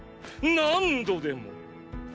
何度でも！